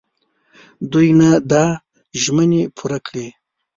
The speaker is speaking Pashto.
دوی نه دا ژمني پوره کړي.